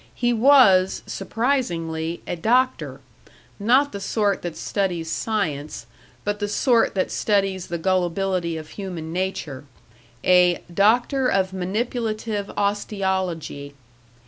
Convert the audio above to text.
He was, surprisingly, a doctor not the sort that studies science, but the sort that studies the gullibility of human nature a "Doctor of Manipulative Osteology."